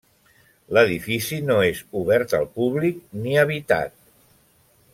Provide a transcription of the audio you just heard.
L'edifici no és obert al públic ni habitat.